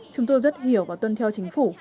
chúng tôi rất hiểu và tuân theo chính phủ